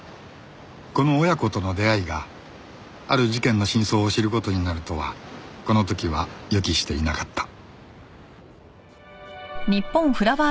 この親子との出会いがある事件の真相を知る事になるとはこの時は予期していなかった